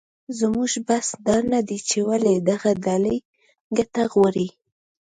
زموږ بحث دا نه دی چې ولې دغه ډلې ګټه غواړي